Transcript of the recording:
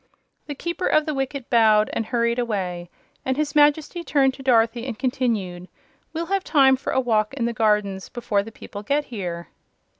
The Keeper of the Wicket bowed and hurried away, and his Majesty turned to Dorothy and continued: "We'll have time for a walk in the gardens before the people get here."